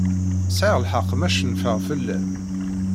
Sɛiɣ lḥeqq ma cenfeɣ fell-am.